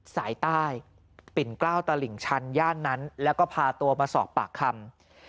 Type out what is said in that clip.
สายใต้ปิ่นกล้าวตลิ่งชันย่านนั้นแล้วก็พาตัวมาสอบปากคำ